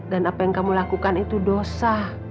dan apa yang kamu lakukan itu dosa